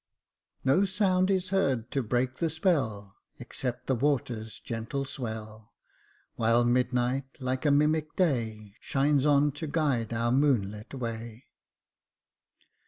" No sound is heard to break the spell, Except the water's gentle swell ; While midnight, like a mimic day, Shines on to guide our moonlight way.